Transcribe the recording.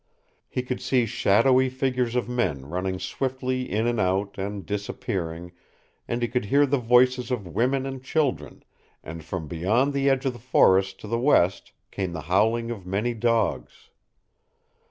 He could see shadowy figures of men running swiftly in and out and disappearing, and he could hear the voices of women and children, and from beyond the edge of the forest to the west came the howling of many dogs.